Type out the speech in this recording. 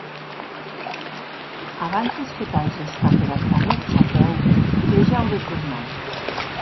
Abantes que t'ages caperat damb eth chapèu que ja aurè tornat.